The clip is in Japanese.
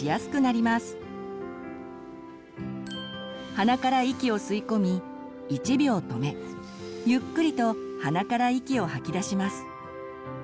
鼻から息を吸い込み１秒止めゆっくりと鼻から息を吐き出します。